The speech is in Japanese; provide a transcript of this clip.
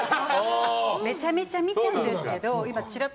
めちゃめちゃ見ちゃううんですけど。